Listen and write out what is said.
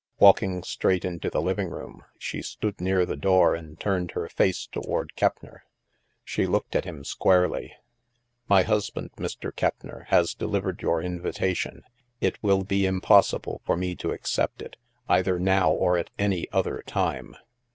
Walking straight into the living room, she stood near the door and turned her face towards Keppner. She looked at him squarely. " My husband, Mr. Keppner, has delivered your invitation. It will be impossible for me to accept it, either now or at any other time."